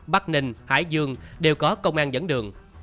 bắc ninh hải dương đều có công an dẫn đường